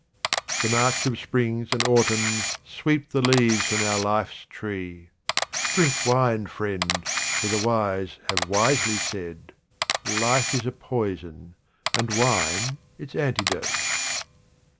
The march of springs and autumns sweep the leaves from our life's tree. Drink wine, friend, for the wise have wisely said, " Life is a poison, and wine its antidote."